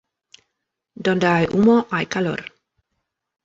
Donde hay humo, hay calor.